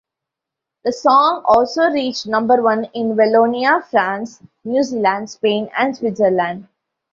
The song also reached number one in Wallonia, France, New Zealand, Spain and Switzerland.